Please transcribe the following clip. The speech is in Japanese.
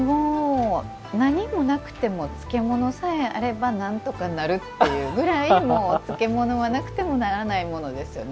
何もなくても漬物さえあればなんとかなるっていうぐらい漬物はなくてはならないものですよね。